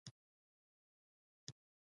خوب د شپه زړګي ته خوشالي راوړي